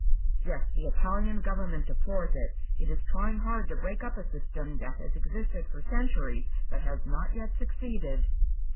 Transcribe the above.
"Yes. The Italian government deplores it. It is trying hard to break up a system that has existed for centuries, but has not yet succeeded."